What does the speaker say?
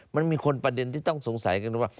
มันมีคนประเด็นที่ต้องสงสัยกันว่า